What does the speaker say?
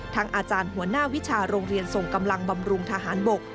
อาจารย์หัวหน้าวิชาโรงเรียนส่งกำลังบำรุงทหารบก